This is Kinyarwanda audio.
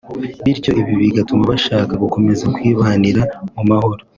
bityo ibi bigatuma bashaka gukomeza kwibanira mu mahoro